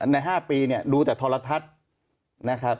ใน๕ปีดูแต่ทรทัศน์